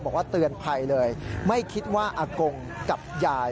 บอกว่าเตือนภัยเลยไม่คิดว่าอากงกับยาย